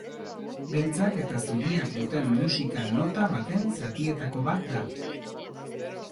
Beltzak eta zuriak duten musika nota baten zatietako bat da.